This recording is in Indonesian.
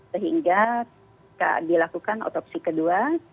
sehingga dilakukan otopsi kedua